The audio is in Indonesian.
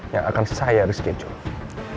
yang akan saya skateboard